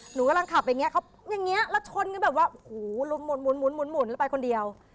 หนูกำลังขับอย่างนี้แล้วชนหมุนแล้วไปคนเดียว